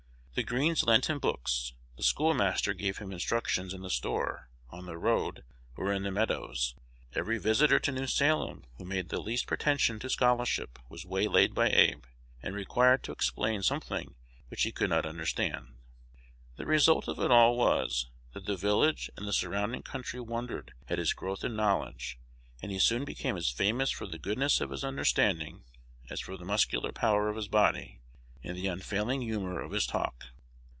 The Greens lent him books; the schoolmaster gave him instructions in the store, on the road, or in the meadows: every visitor to New Salem who made the least pretension to scholarship was waylaid by Abe, and required to explain something which he could not understand. The result of it all was, that the village and the surrounding country wondered at his growth in knowledge, and he soon became as famous for the goodness of his understanding as for the muscular power of his body, and the unfailing humor of his talk.